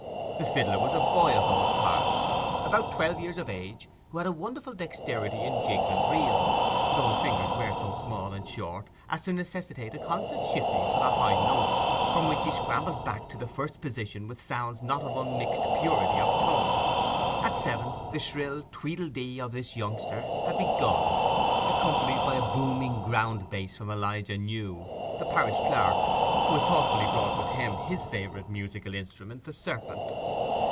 The fiddler was a boy of those parts, about twelve years of age, who had a wonderful dexterity in jigs and reels, though his fingers were so small and short as to necessitate a constant shifting for the high notes, from which he scrambled back to the first position with sounds not of unmixed purity of tone. At seven the shrill tweedle dee of this youngster had begun, accompanied by a booming ground bass from Elijah New, the parish clerk, who had thoughtfully brought with him his favourite musical instrument, the serpent.